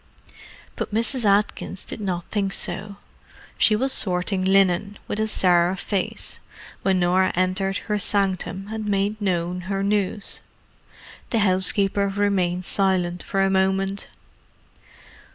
But Mrs. Atkins did not think so. She was sorting linen, with a sour face, when Norah entered her sanctum and made known her news. The housekeeper remained silent for a moment.